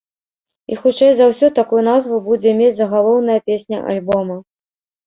І хутчэй за ўсё такую назву будзе мець загалоўная песня альбома.